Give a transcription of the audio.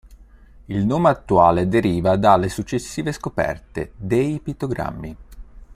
Il nome attuale deriva dalle successive scoperte dei pittogrammi.